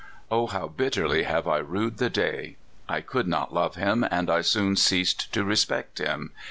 O how bitterly have I rued the day ! I could not love him, and I soon ceased to respect him.